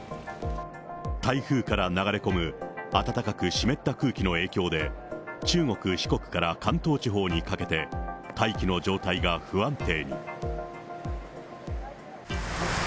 台風から流れ込む暖かく湿った空気の影響で、中国、四国から関東地方にかけて、大気の状態が不安定に。